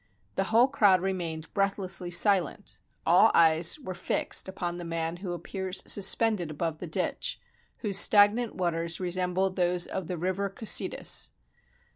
The whole crowd remained breathlessly silent; all eyes were fixed upon the man who appears suspended above the ditch, whose stagnant waters resemble those of the river Cocytus.